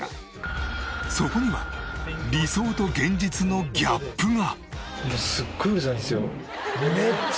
そこには理想と現実のギャップが。